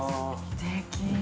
◆すてき。